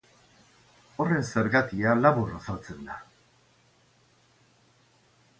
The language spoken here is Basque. Horren zergatia labur azaltzen da.